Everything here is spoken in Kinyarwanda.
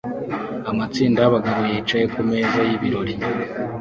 Amatsinda y'abagabo yicaye kumeza y'ibirori